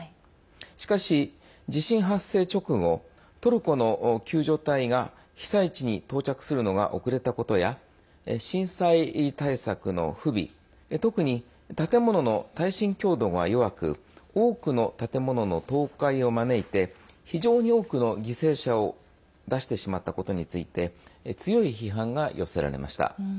しかし、地震発生直後トルコの救助隊が、被災地に到着するのが遅れたことや震災対策の不備特に建物の耐震強度が弱く多くの建物の倒壊を招いて非常に多くの犠牲者を出してしまったことについて強い批判が寄せられました。